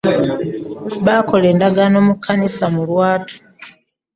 Bakola endagaano mu Kkanisa mulwatu .